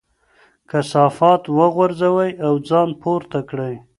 کثافات وغورځوئ او ځان پورته کړئ.